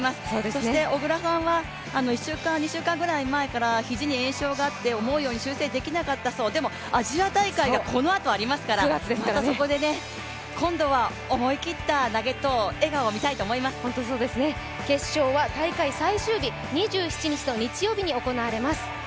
そして小椋さんは１週間２週間ぐらい前から肘に炎症があって思うように修正できなかったそうで、でも、アジア大会がこのあとありますから、またそこで今度は思い切った投げと決勝は大会最終日２７日の夕方に行われます。